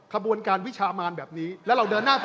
ถ้าบอกว่าคุณแหม่นสุริภาจะเสียใจ